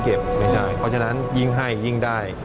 เพราะฉะนั้นยิ่งให้ยิ่งได้